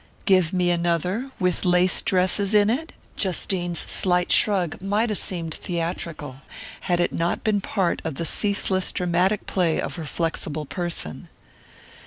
"Give me another, with lace dresses in it?" Justine's slight shrug might have seemed theatrical, had it not been a part of the ceaseless dramatic play of her flexible person.